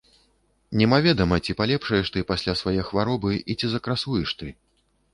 Немаведама, ці палепшаеш ты пасля свае хваробы і ці закрасуеш ты!